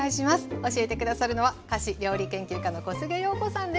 教えて下さるのは菓子・料理研究家の小菅陽子さんです。